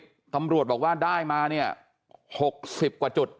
ตอนจรปิดตำรวจบอกว่าได้มาเนี่ย๖๐กว่าจุด